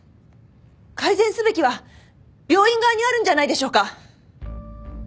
改善すべきは病院側にあるんじゃないでしょうか？